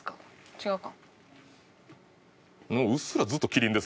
違うか。